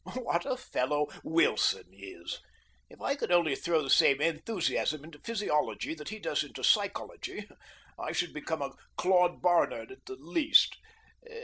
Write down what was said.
What a fellow Wilson is! If I could only throw the same enthusiasm into physiology that he does into psychology, I should become a Claude Bernard at the least.